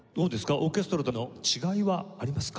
オーケストラとの違いはありますか？